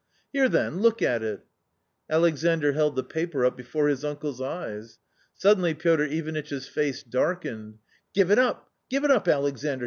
" Here, then, look at it." Alexandr held the paper up before his uncle's eyes. Suddenly Piotr Ivanitch's face darkened. " Give it up, give it up, Alexandr